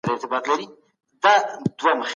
دا احساس یوازې یوه اړتیا ده.